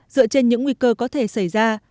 dựa trên những nguy cơ có thể xảy ra